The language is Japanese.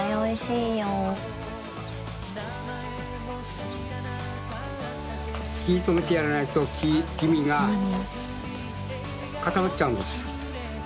光男さん）火止めてやらないと黄身が固まっちゃうんです。